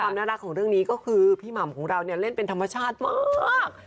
น่ารักของเรื่องนี้ก็คือพี่หม่ำของเราเนี่ยเล่นเป็นธรรมชาติมาก